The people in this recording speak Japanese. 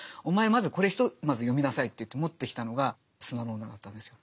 まずこれひとまず読みなさいと言って持ってきたのが「砂の女」だったんですよ。